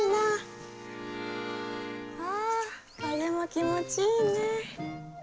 あ風も気持ちいいね。